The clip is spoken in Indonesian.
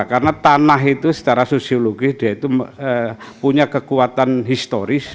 karena tanah itu secara sosiologis dia itu punya kekuatan historis